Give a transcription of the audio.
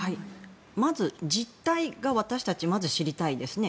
まず、実態が私たち、まず知りたいですね。